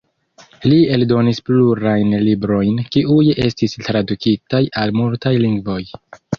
Li eldonis plurajn librojn, kiuj estis tradukitaj al multaj lingvoj.